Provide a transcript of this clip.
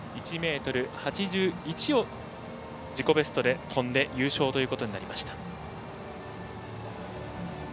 １ｍ８１を自己ベストで跳んで優勝ということになりました。